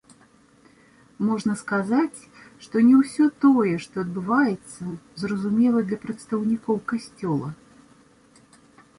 Можна сказаць, што не ўсё тое, што адбываецца, зразумела для прадстаўнікоў касцёла.